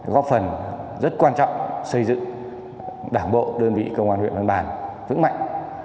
góp phần rất quan trọng xây dựng đảng bộ đơn vị công an huyện văn bàn vững mạnh